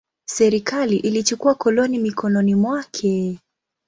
Serikali ilichukua koloni mikononi mwake.